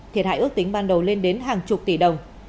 thiệt hại ước tính ban đầu lên đến hàng chục tỷ đồng